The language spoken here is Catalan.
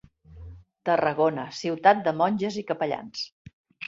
Tarragona, ciutat de monges i capellans.